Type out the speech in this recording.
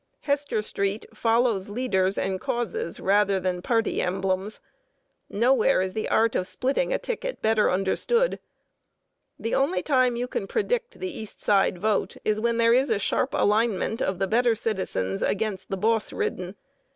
Hester Street follows leaders and causes rather than party emblems. Nowhere is the art of splitting a ticket better understood. The only time you can predict the East Side vote is when there is a sharp alignment of the better citizens against the boss ridden.